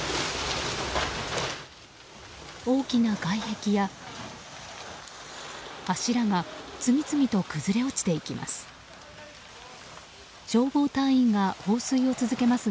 大きな外壁や柱が次々と崩れ落ちていきます。